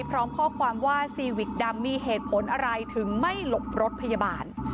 พร้อมข้อความว่าซีวิกดำมีเหตุผลอะไรถึงไม่หลบรถพยาบาล